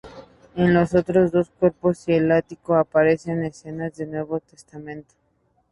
En los otros dos cuerpos y en el ático aparecen escenas del Nuevo Testamento.